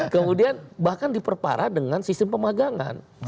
kemudian bahkan diperparah dengan sistem pemagangan